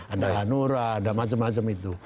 ada hanura ada macam macam itu